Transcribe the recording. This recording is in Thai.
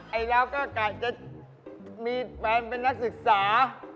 ไอ้เราก็กะจะมีแฟนเป็นนักศึกษา